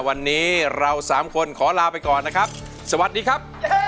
วันนี้เราสามคนขอลาไปก่อนนะครับสวัสดีครับ